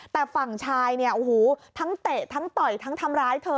แต่ฝั่งชายเนี่ยโอ้โหทั้งเตะทั้งต่อยทั้งทำร้ายเธอ